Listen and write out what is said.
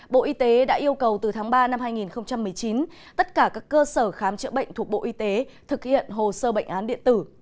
bộ y tế đã yêu cầu từ tháng ba năm hai nghìn một mươi chín tất cả các cơ sở khám chữa bệnh thuộc bộ y tế thực hiện hồ sơ bệnh án điện tử